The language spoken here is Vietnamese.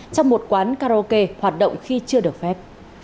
trong một quán karaoke hoạt động khi chưa được phép